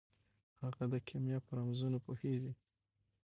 هغه د کیمیا په رمزونو پوهیږي.